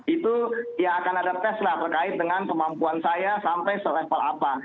itu ya akan ada tes lah terkait dengan kemampuan saya sampai selevel apa